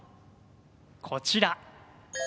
こちら。